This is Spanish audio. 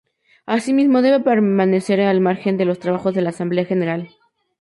Así mismo, debe permanecer al margen de los trabajos de la Asamblea General.